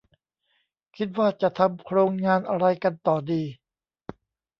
คิดว่าจะทำโครงงานอะไรกันต่อดี